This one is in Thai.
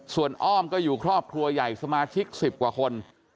ส่วนอ้อมก็อยู่ครอบครัวใหญ่สมาชิก๑๐กว่าคน